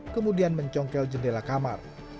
kemudian mencongkel jendela kamar